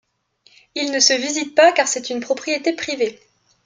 Il ne se visite pas car c'est une propriété privée.